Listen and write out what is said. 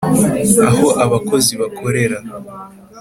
aho abakozi bakorera